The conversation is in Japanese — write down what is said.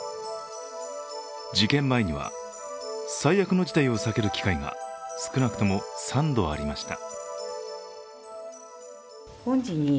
事件前には、最悪の事態を避ける機会が少なくとも３度ありました。